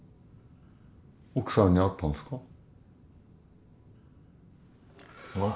奥さんに会ったんですか？